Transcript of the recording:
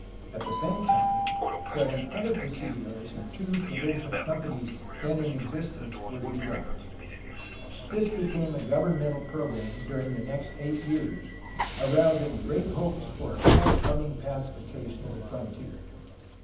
At the same time seven other presidios and two provincial companies then in existence were to be dropped. This became a governmental program during the next eight years, arousing great hopes for a forthcoming pacification of the frontier.